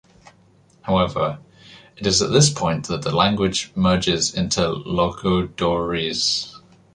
However, it is at this point that the language merges into Logudorese.